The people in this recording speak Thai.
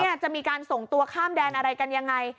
จะมีการส่งตัวข้ามแดนอะไรกันยังไง